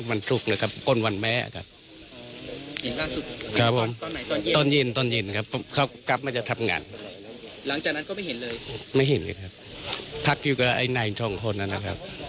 หลังจากนั้นก็ไม่เห็นเลยไม่เห็นเลยครับพักอยู่กับไอ้นายท่องคนนั้นนะครับ